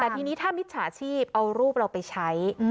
แต่ทีนี้ถ้ามิจฉาชีพเอารูปเราไปใช้